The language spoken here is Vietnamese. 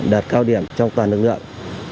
đợt cao điểm trong toàn lực lượng